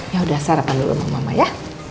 yaudah sarapan dulu sama mama ya